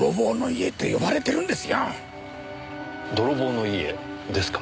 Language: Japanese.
泥棒の家ですか？